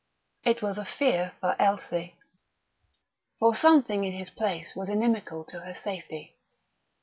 It was a fear for Elsie. For something in his place was inimical to her safety.